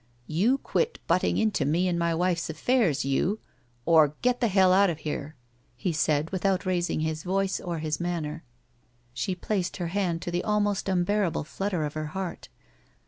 "You quit butting into me and my wife's affairs, you, or get the hell out of here," he said, without raising his voice or his manner. She placed her hand to the almost tmbearable flutter of her heart.